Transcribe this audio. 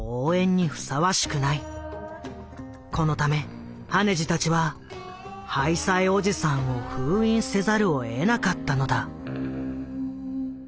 このため羽地たちは「ハイサイおじさん」を封印せざるをえなかったのだ。